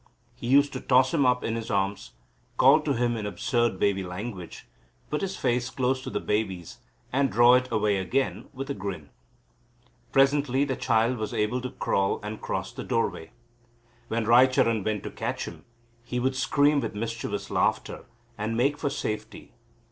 He used to toss him up in his arms, call to him in absurd baby language, put his face close to the baby's and draw it away again with a grin. Presently the child was able to crawl and cross the doorway. When Raicharan went to catch him, he would scream with mischievous laughter and make for safety.